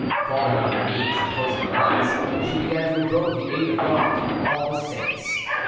Falling on her knees and closing her eyes, she began to invoke the aid of God and all the saints.